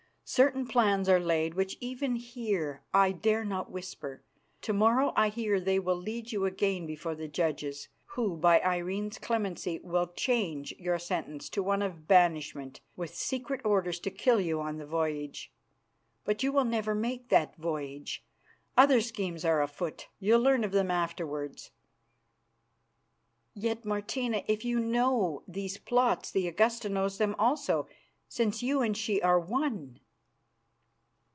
Certain plans are laid which even here I dare not whisper. To morrow I hear they will lead you again before the judges, who, by Irene's clemency, will change your sentence to one of banishment, with secret orders to kill you on the voyage. But you will never make that voyage. Other schemes are afoot; you'll learn of them afterwards." "Yet, Martina, if you know these plots the Augusta knows them also, since you and she are one."